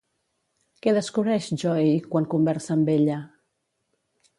Què descobreix Joey quan conversa amb ella?